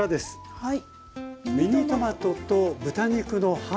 はい。